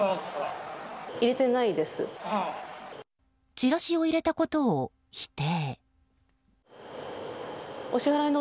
チラシを入れたことを否定。